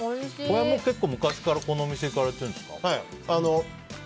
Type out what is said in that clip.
これも結構、昔からこのお店行かれてるんですか？